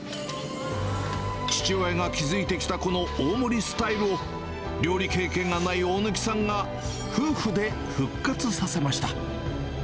父親が築いてきたこの大盛りスタイルを、料理経験がない大貫さんが、夫婦で復活させました。